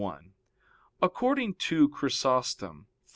1: According to Chrysostom (Hom.